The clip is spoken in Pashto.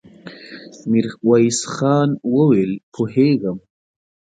ميرويس خان وويل: پوهېږم.